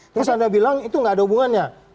terus anda bilang itu nggak ada hubungannya